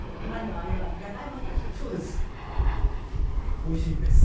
おいしいんです。